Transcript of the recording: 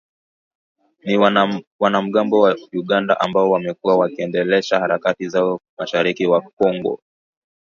ni wanamgambo wa Uganda ambao wamekuwa wakiendesha harakati zao mashariki mwa Kongo